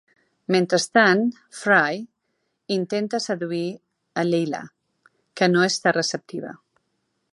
Mentrestant, Fry intenta seduir a Leela, que no està receptiva.